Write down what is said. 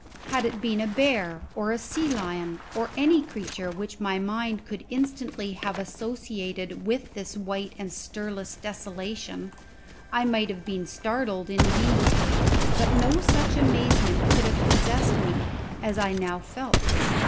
Had it been a bear, or a sea lion, or any creature which my mind could instantly have associated with this white and stirless desolation, I might have been startled indeed; but no such amazement could have possessed me as I now felt.